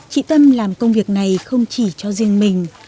chị tâm làm công việc này không chỉ cho riêng mình